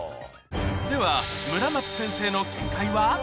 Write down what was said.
では、村松先生の見解は。